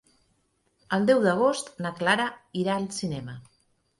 El deu d'agost na Clara irà al cinema.